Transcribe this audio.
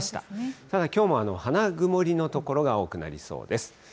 ただきょうも、花曇りの所が多くなりそうです。